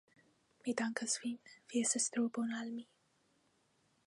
Mi dankas vin, vi estas tro bona al mi.